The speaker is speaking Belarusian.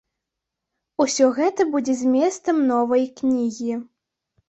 Усё гэта будзе зместам новай кнігі.